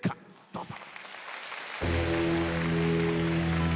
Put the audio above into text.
どうぞ。